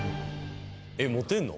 えっモテんの？